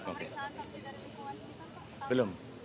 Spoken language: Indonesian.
masih ada persoalan dari pembunuhan kita pak